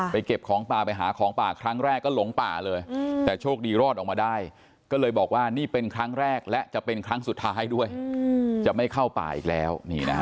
เก็บของป่าไปหาของป่าครั้งแรกก็หลงป่าเลยแต่โชคดีรอดออกมาได้ก็เลยบอกว่านี่เป็นครั้งแรกและจะเป็นครั้งสุดท้ายด้วยจะไม่เข้าป่าอีกแล้ว